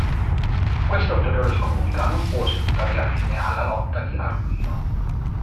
Questa ulteriore scomunica non pose tuttavia fine alla lotta di Arduino.